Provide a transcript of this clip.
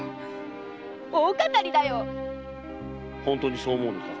本当にそう思うのか？